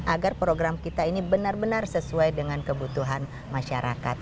agar program kita ini benar benar sesuai dengan kebutuhan masyarakat